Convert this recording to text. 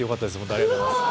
ありがとうございます。